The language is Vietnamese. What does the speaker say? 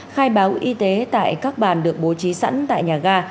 khai báo y tế tại các bàn được bố trí sẵn tại nhà ga